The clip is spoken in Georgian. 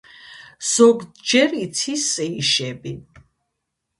ზოგჯერ იცის სეიშები.